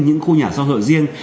những khu nhà xã hội riêng